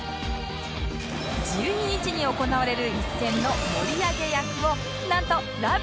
１２日に行われる一戦の盛り上げ役をなんと『ラブ！！